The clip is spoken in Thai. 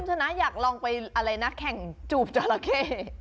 เอ้าคุณชนะอยากไปอะไรนะแข่งจูบจอราเค